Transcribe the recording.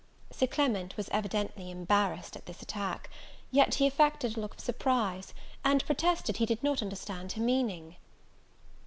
Sir Clement was evidently embarrassed at this attack; yet he affected a look of surprise, and protested he did not understand her meaning.